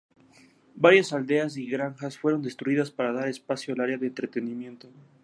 Varias aldeas y granjas fueron destruidas para dar espacio al área de entrenamiento.